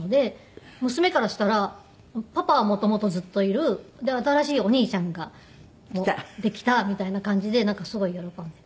娘からしたらパパは元々ずっといるで新しいお兄ちゃんができたみたいな感じでなんかすごい喜んで。